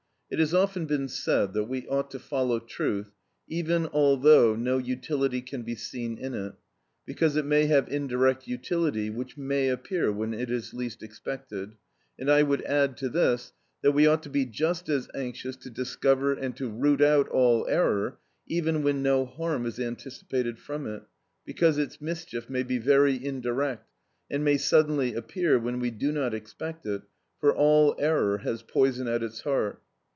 It has often been said that we ought to follow truth even although no utility can be seen in it, because it may have indirect utility which may appear when it is least expected; and I would add to this, that we ought to be just as anxious to discover and to root out all error even when no harm is anticipated from it, because its mischief may be very indirect, and may suddenly appear when we do not expect it, for all error has poison at its heart.